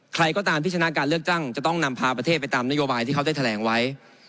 ใครก็ตามที่ชนะการเลือกตั้งจะต้องนำพาประเทศไปตามนโยบายที่เขาได้แถลงไว้